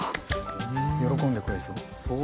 喜んでくれそう。